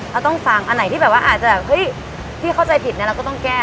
เราต้องฟังอันไหนที่แบบว่าอาจจะเฮ้ยพี่เข้าใจผิดเนี่ยเราก็ต้องแก้